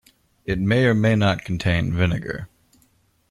It may or may not contain vinegar.